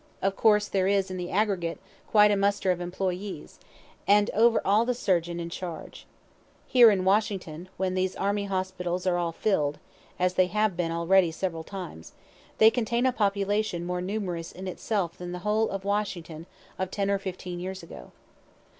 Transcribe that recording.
Of course, there is, in the aggregate, quite a muster of employes, and over all the surgeon in charge. Here in Washington, when these army hospitals are all fill'd, (as they have been already several times,) they contain a population more numerous in itself than the whole of the Washington of ten or fifteen years ago.